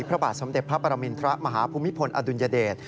พระบาทสมเด็จพระปรมินทรมาฮภูมิพลอดุลยเดช